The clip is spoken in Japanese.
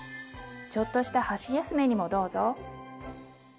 ちょっとした箸休めにもどうぞ。